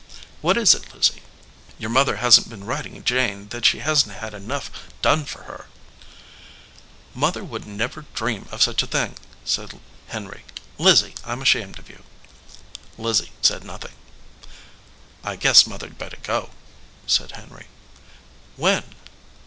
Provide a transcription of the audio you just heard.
"What is it, Lizzie?" "Your mother hasn t been writing Jane that she hasn t had enough done for her !" "Mother wouldn t dream of such a thing!" said Henry. "Lizzie, I m ashamed of you." Lizzie said nothing. "I guess Mother d better go," said Henry. "When?"